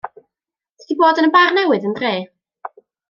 Ti 'di bod yn y bar newydd yn dre?